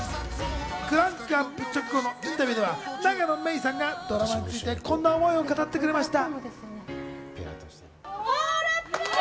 クランクアップ直後のインタビューでは、永野芽郁さんがドラマについてこんな思いを語ってくれました。